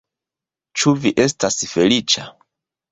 Ĉu vi estas feliĉa?